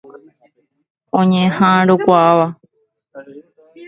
Oñeha'ãrõkuaáva.